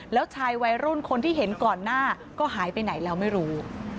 แล้วชายวัยรุ่นคนที่เห็นก่อนหน้าก็หายไปไหนแล้วไม่รู้